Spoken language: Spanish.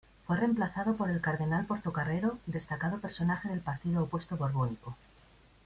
Fue reemplazado por el cardenal Portocarrero, destacado personaje del partido opuesto borbónico.